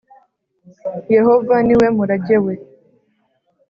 Yehova ni we murage we